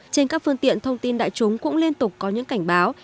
trên các phương tiện thông tin đại chúng cũng liên tục có những cảnh báo